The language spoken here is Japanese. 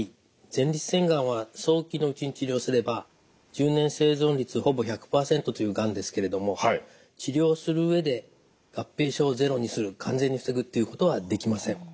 前立腺がんは早期のうちに治療すれば１０年生存率ほぼ１００％というがんですけれども治療する上で合併症をゼロにする完全に防ぐっていうことはできません。